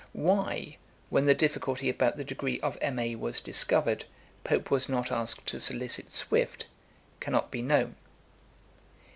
Why, when the difficulty about the degree of M.A. was discovered, Pope was not asked to solicit Swift cannot be known.